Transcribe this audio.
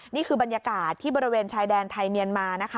นี่คือบรรยากาศที่บริเวณชายแดนไทยเมียนมานะคะ